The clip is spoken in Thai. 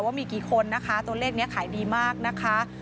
ว่ามีกี่คนนะคะตัวเลขนี้ขายดีมากนะคะ